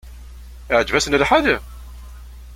Iɛǧeb-asen lḥal?